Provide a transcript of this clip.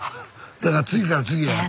だから次から次へ？